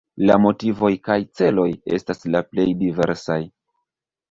La motivoj kaj celoj estas la plej diversaj.